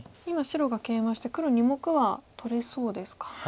今白がケイマして黒２目は取れそうですか。